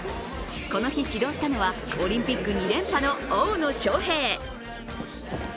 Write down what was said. この日指導したのはオリンピック２連覇の大野将平。